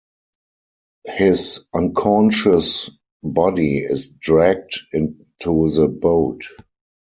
His unconscious body is dragged into the boat.